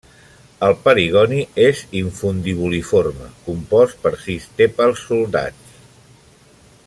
El perigoni és infundibuliforme, compost per sis tèpals soldats.